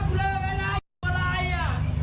กูเลิกไอ้นายอะไรอ่ะ